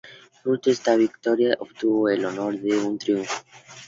Fruto de esta victoria, obtuvo el honor de un triunfo.